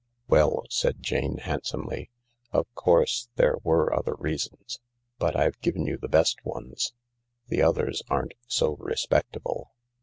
"Well," said Jane handsomely, "of course there were other reasons, but I've given you the best ones. The others aren't so respectable.